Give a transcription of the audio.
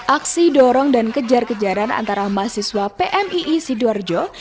aksi dorong dan kejar kejaran antara mahasiswa pmii sidoarjo